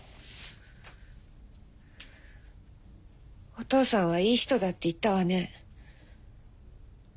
お義父さんはいい人だって言ったわね。